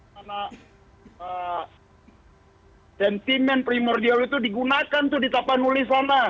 karena sentimen primordial itu digunakan tuh di tapanuli sana